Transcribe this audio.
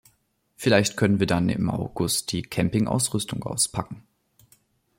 Vielleicht können wir dann im August die Campingausrüstung auspacken.